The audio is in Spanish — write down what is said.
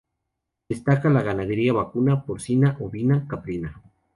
Destaca la ganadería vacuna, porcina, ovina, caprina.